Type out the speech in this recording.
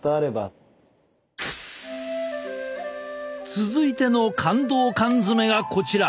続いての感動缶詰がこちら。